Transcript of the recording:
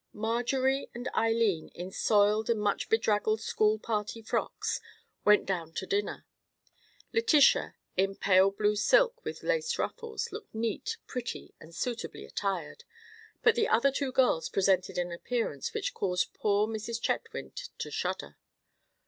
Marjorie and Eileen, in soiled and much bedraggled school party frocks, went down to dinner. Letitia, in pale blue silk with lace ruffles, looked neat, pretty, and suitably attired; but the other two girls presented an appearance which caused poor Mrs. Chetwynd to shudder.